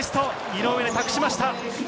井上に託しました。